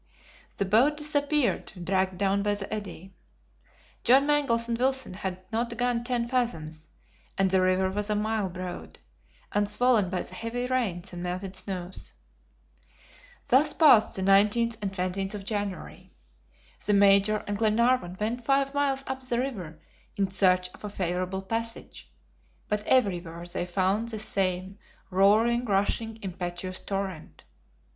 The boat disappeared, dragged down by the eddy. John Mangles and Wilson had not gone ten fathoms, and the river was a mile broad, and swollen by the heavy rains and melted snows. Thus passed the 19th and 20th of January. The Major and Glenarvan went five miles up the river in search of a favorable passage, but everywhere they found the same roaring, rushing, impetuous torrent.